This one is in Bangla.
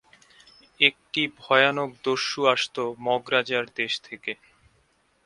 একটি ভয়ানক দস্যু আসতো মগ রাজার দেশ থেকে।